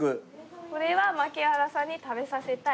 これは槙原さんに食べさせたい。